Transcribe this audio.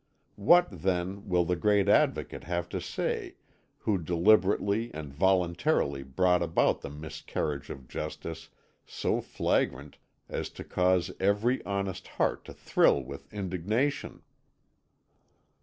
What, then, will the great Advocate have to say who deliberately and voluntarily brought about a miscarriage of justice so flagrant as to cause every honest heart to thrill with indignation?"